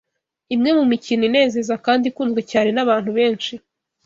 Imwe mu mikino inezeza kandi ikunzwe cyane n’abantu benshi,